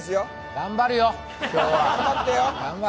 頑張るよ、今日は。